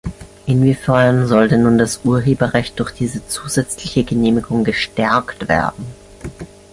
Inwiefern soll denn nun das Urheberrecht durch diese zusätzliche Genehmigung gestärkt werden?